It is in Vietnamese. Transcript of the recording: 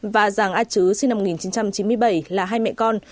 và giàng a chứ sinh năm một nghìn chín trăm chín mươi bảy là hai mẹ con